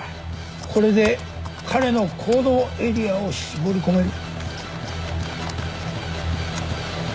これで彼の行動エリアを絞りこめる。